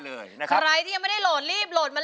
รองได้ให้ลาด